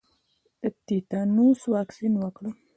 د تیتانوس واکسین وکړم؟